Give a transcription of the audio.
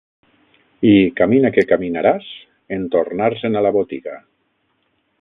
I, camina que caminaràs, entornar-se'n a la botiga.